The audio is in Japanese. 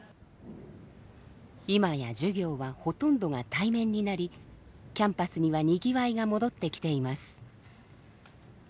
今や授業はほとんどが対面になりキャンパスにはにぎわいが戻ってきています。